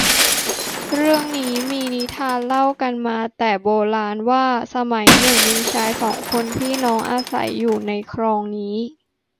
เรื่องนี้มีนิทานเล่ากันมาแต่โบราณว่า สมัยหนึ่งมีชายสองคนพี่น้องอาศัยอยู่ที่คลองนี้